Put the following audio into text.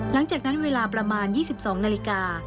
หลังจากนั้นเวลาประมาณ๒๒นาฬิกา